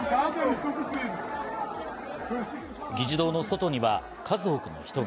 議事堂の外には数多くの人が。